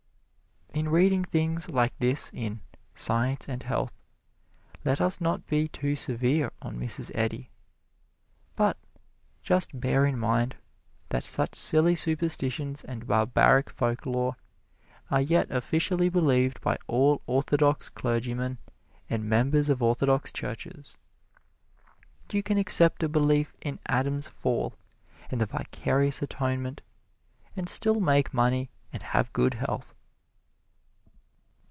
In reading things like this in "Science and Health," let us not be too severe on Mrs. Eddy, but just bear in mind that such silly superstitions and barbaric folklore are yet officially believed by all orthodox clergymen and members of orthodox churches. You can accept a belief in Adam's fall and the vicarious atonement and still make money and have good health.